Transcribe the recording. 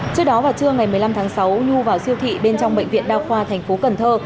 trước đó vào trưa ngày một mươi năm tháng sáu nhu vào siêu thị bên trong bệnh viện đa khoa thành phố cần thơ